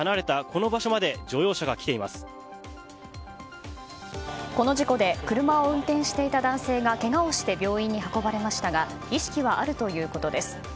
この事故で車を運転していた男性がけがをして病院に運ばれましたが意識はあるということです。